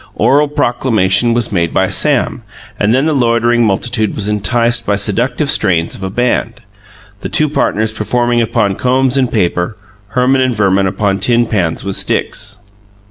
Oral proclamation was made by Sam, and then the loitering multitude was enticed by the seductive strains of a band; the two partners performing upon combs and paper, Herman and Verman upon tin pans with sticks.